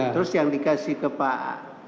terus yang dikasih ke pak